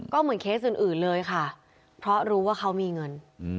ก็เหมือนเคสอื่นเลยค่ะเพราะรู้ว่าเขามีเงิน